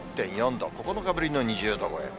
９日ぶりの２０度超え。